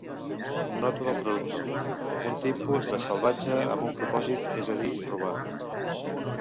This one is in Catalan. Nota del traductor: un tipus de "salvatge" amb un propòsit, és a dir, robar.